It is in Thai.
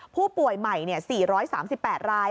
ผู้ป่วยใหม่๔๓๘ราย